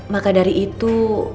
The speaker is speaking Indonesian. maka dari itu